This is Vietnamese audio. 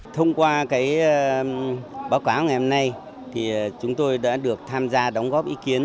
thông qua báo cáo ngày hôm nay chúng tôi đã được tham gia đóng góp ý kiến